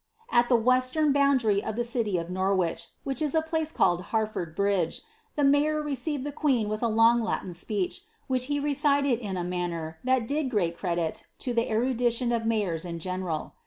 At the western boundary of the city of Norwich, which is a place called Harford Bridge, the mayor received the queen with a long Latin fpeech, which he recited in a manner that did great credit to the erudition of mayors in general.